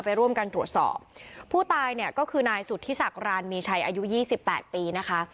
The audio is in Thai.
ไปร่วมกันตรวจสอบผู้ตายเนี่ยก็คือนายสุดที่สากรานมีชัยอายุ๒๘ปีนะคะ